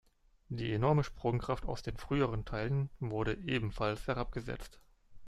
Die enorme Sprungkraft aus den früheren Teilen wurde ebenfalls herabgesetzt.